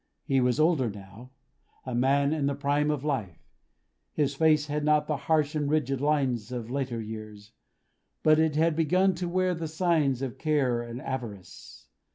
He was older now; a man in the prime of life. His face had not the harsh and rigid lines of later years; but it had begun to wear the signs of care and avarice.